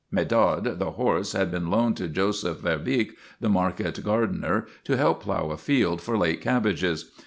Medard, the horse, had been loaned to Joseph Verbeeck, the market gardener, to help plough a field for late cabbages.